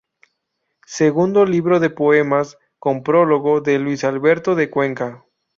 Segundo libro de poemas, con prólogo de Luis Alberto de Cuenca.